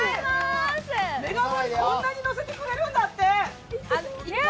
メガ盛り、こんなにのせてくれるんだって！